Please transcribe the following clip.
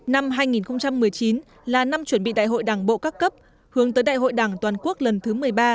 năm hai nghìn một mươi chín là năm chuẩn bị đại hội đảng bộ các cấp hướng tới đại hội đảng toàn quốc lần thứ một mươi ba